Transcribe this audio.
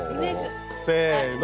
せの。